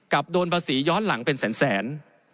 โดนภาษีย้อนหลังเป็นแสน